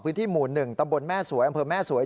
พื้นที่หมู่๑ตำบลแม่สวยอำเภอแม่สวย